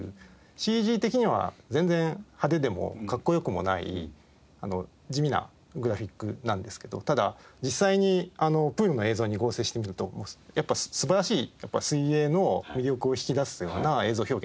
ＣＧ的には全然派手でもかっこ良くもない地味なグラフィックなんですけどただ実際にプールの映像に合成してみるとやっぱり素晴らしい水泳の魅力を引き出すような映像表現だったんですよね。